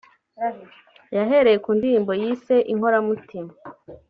yahereye ku ndirimbo yise ’Inkoramutima’